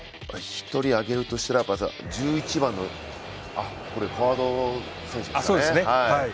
１人挙げるとしたら１１番のフォワードの選手ですね。